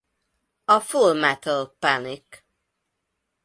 A Full Metal Panic!